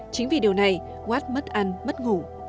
chính vì điều này watt mất ăn mất ngủ